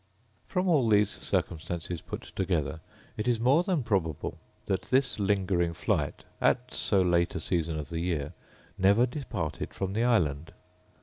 From all these circumstances put together, it is more than probable that this lingering flight, at so late a season of the year, never departed from the island.